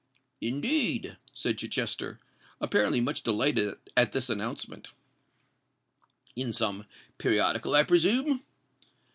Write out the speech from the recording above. "Indeed!" said Chichester, apparently much delighted at this announcement: "in some periodical, I presume?"